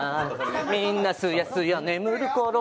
みんなすやすや眠るころ